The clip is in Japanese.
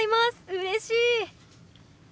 うれしい！